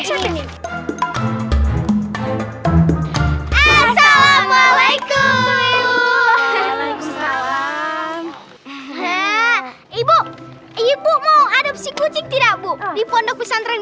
assalamualaikum ibu ibu ibu mau adopsi kucing tidak bu di pondok pisang tren